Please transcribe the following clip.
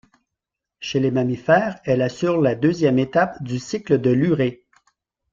Chez les mammifères, elle assure la deuxième étape du cycle de l'urée.